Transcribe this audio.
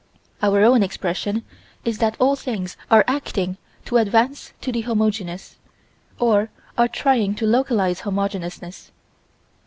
Our own expression is that all things are acting to advance to the homogeneous, or are trying to localize Homogeneousness.